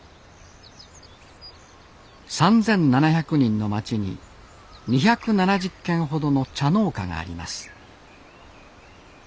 ３，７００人の町に２７０軒ほどの茶農家があります。